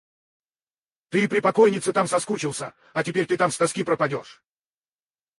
Ты и при покойнице там соскучился, а теперь ты там с тоски пропадешь.